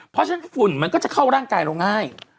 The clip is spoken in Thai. เพราะฉะนั้นฝุ่นมันก็จะเข้าร่างกายเราง่าย